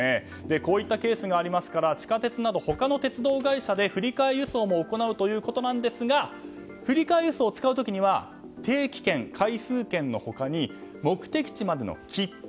こういったケースがありますから地下鉄など他の鉄道会社で振り替え輸送も行うということなんですが振り替え輸送を使う時には定期券、回数券の他に目的地までの切符